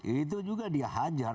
itu juga dia hajar